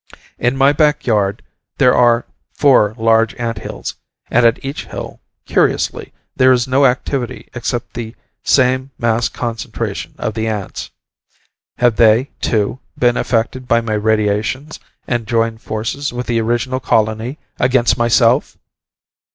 In my back yard, there are four large ant hills, and at each hill, curiously, there is no activity except the same mass concentration of the ants. Have they, too, been affected by my radiations and joined forces with the original colony against myself?